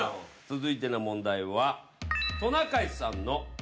続いての問題は。